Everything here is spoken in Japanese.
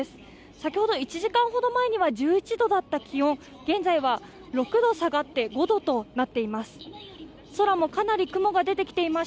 先ほど１時間ほど前には１１度だった気温、現在は６度下がって５度となっています。